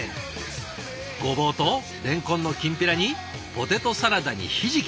ごぼうとれんこんのきんぴらにポテトサラダにひじき。